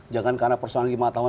jangan karena persoalan lima tahun